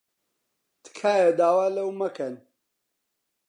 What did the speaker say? تکایە داوا لەو مەکەن.